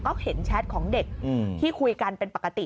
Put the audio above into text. ก็เห็นแชทของเด็กที่คุยกันเป็นปกติ